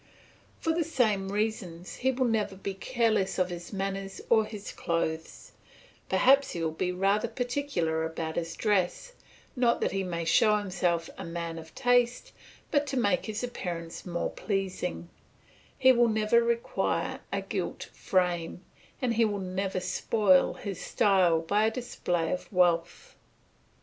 For the same reasons he will never be careless of his manners or his clothes; perhaps he will be rather particular about his dress, not that he may show himself a man of taste, but to make his appearance more pleasing; he will never require a gilt frame, and he will never spoil his style by a display of wealth.